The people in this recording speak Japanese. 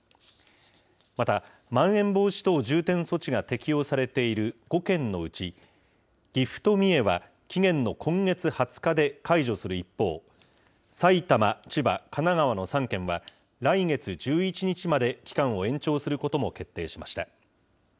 また、まん延防止等重点措置が適用されている５県のうち、岐阜と三重は期限の今月２０日で解除する一方、埼玉、千葉、神奈川の３県は来月１１日まで期間を延長することも決定しました。